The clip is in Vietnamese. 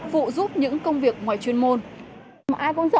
phụ giúp những công việc ngoài chuyển